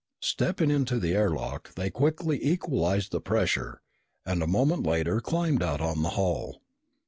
Stepping into the air lock, they quickly equalized the pressure and a moment later climbed out on the hull.